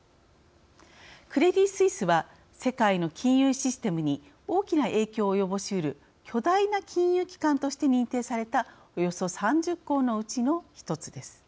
クレディ・スイスは世界の金融システムに大きな影響を及ぼしうる巨大な金融機関として認定されたおよそ３０行のうちの１つです。